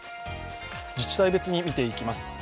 自治体別に見ていきます。